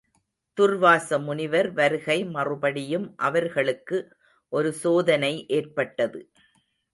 துர்வாசமுனிவர் வருகை மறுபடியும் அவர்களுக்கு ஒரு சோதனை ஏற்பட்டது.